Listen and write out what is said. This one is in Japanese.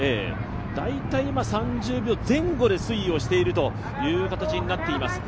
大体３０秒前後で推移をしている形になっています。